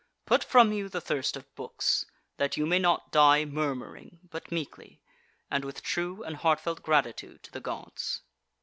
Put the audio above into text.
Put from you the thirst of books, that you may not die murmuring, but meekly, and with true and heartfelt gratitude to the Gods.